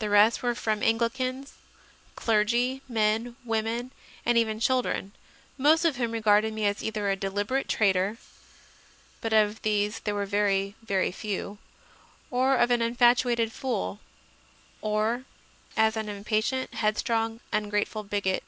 The rest were from Anglicans clergy, men, women, and even chil dren most of whom regarded me either as a delib erate traitor (but of these there were very few) or as an infatuated fool, or as an impatient, headstrong, ungrateful bigot.